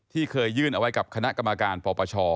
ที่เคยยื่นเอาไว้กับคณะกรรมการปปช